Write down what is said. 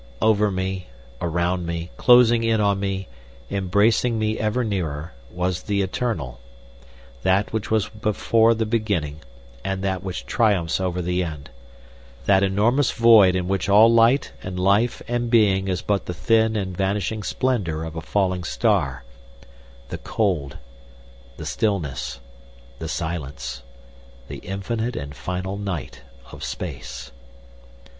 Over me, around me, closing in on me, embracing me ever nearer, was the Eternal; that which was before the beginning, and that which triumphs over the end; that enormous void in which all light and life and being is but the thin and vanishing splendour of a falling star, the cold, the stillness, the silence—the infinite and final Night of space.